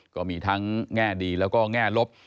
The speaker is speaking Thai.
ก็มีทั้งแง่ดีแล้วก็แง่ลบ